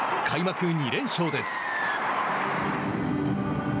開幕２連勝です。